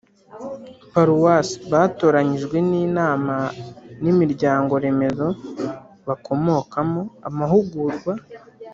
paruwasi, batoranyijwe n’inama n’imiryango remezo bakomokamo, amahugurwa